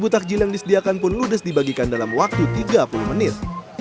sepuluh takjil yang disediakan pun ludes dibagikan dalam waktu tiga puluh menit